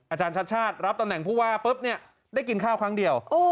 อาจารย์ชัดรับตำแหน่งผู้ว่าได้กินข้าวครั้งเดียว